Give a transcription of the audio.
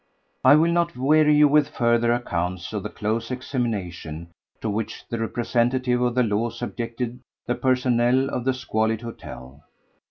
I will not weary you with further accounts of the close examination to which the representative of the law subjected the personnel of the squalid hotel.